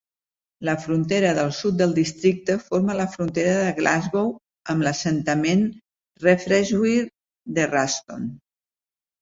La frontera del sud del districte forma la frontera de Glasgow amb l'assentament Refrewshire de Ralston.